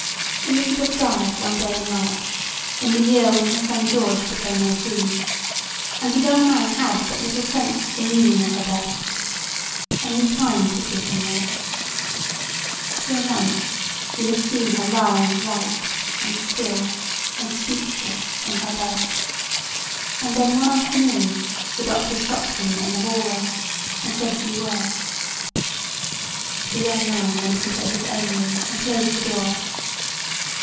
Elizabeth died one day in March in the year when her son George became eighteen, and the young man had but little sense of the meaning of her death. Only time could give him that. For a month he had seen her lying white and still and speechless in her bed, and then one afternoon the doctor stopped him in the hallway and said a few words. The young man went into his own room and closed the door.